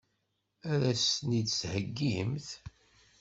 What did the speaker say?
Ad as-ten-id-theggimt?